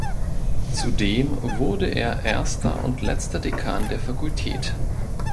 Zudem wurde er erster und letzter Dekan der Fakultät.